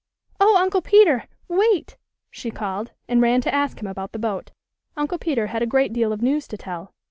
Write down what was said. "Oh, Uncle Peter! Wait!" she called and ran to ask him about the boat. Uncle Peter had a great deal of news to tell.